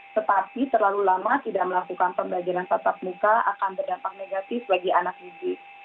tetapi terlalu lama tidak melakukan pembelajaran tetap muka akan berdampak negatif bagi anak didik